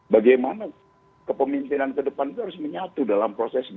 bagaimana kepemimpinan ke depan itu harus menyatu dalam proses